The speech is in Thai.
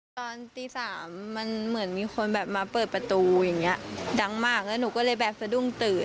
ตอนตีสามมันเหมือนมีคนแบบมาเปิดประตูอย่างเงี้ยดังมากแล้วหนูก็เลยแบบสะดุ้งตื่น